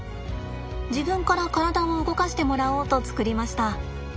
自分から体を動かしてもらおうと作りました。